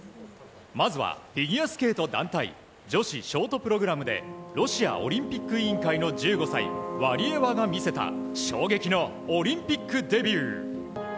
まずはフィギュアスケート団体女子ショートプログラムで、ロシアオリンピック委員会の１５歳、ワリエワが見せた衝撃のオリンピックデビュー。